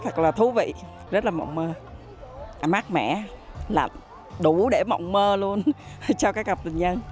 thật là thú vị rất là mộng mơ mát mẻ là đủ để mộng mơ luôn cho các cặp tình nhân